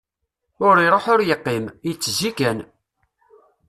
Ur iṛuḥ ur yeqqim, yettezzi kan.